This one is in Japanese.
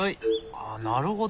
あなるほど。